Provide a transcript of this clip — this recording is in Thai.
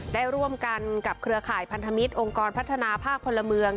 ได้ร่วมกันกับเครือข่ายพันธมิตรองค์กรพัฒนาภาคพลเมือง